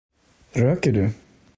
Röker du?